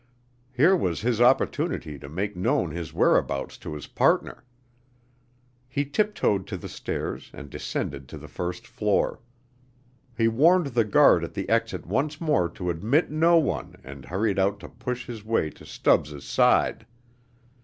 Here was his opportunity to make known his whereabouts to his partner. He tiptoed to the stairs and descended to the first floor. He warned the guard at the exit once more to admit no one and hurried out to push his way to Stubbs' side.